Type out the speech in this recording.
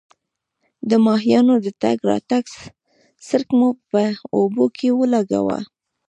د ماهیانو د تګ راتګ څرک مو هم په اوبو کې ولګاوه.